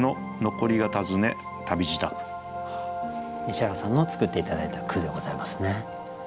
西原さんの作って頂いた句でございますね。